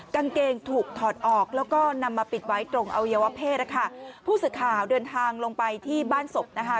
กางเกงถูกถอดออกแล้วก็นำมาปิดไว้ตรงอวัยวะเพศนะคะผู้สื่อข่าวเดินทางลงไปที่บ้านศพนะคะ